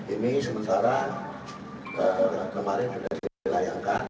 ini sementara kemarin sudah dilayangkan